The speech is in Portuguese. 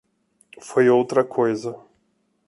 Foi outra coisa.